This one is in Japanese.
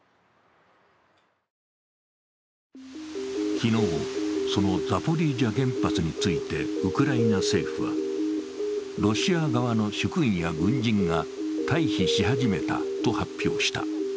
昨日、そのザポリージャ原発についてウクライナ政府は、ロシア側の職員や軍人が退避し始めたと発表した。